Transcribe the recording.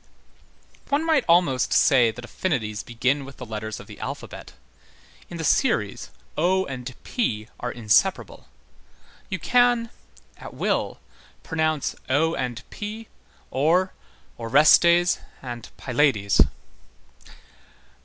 One might almost say that affinities begin with the letters of the alphabet. In the series O and P are inseparable. You can, at will, pronounce O and P or Orestes and Pylades.